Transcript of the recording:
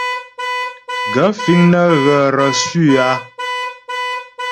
Gaə̂ fíŋ nə́ ghə̀ reçu a ?